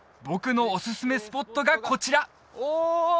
僕のおすすめスポットがこちらおお！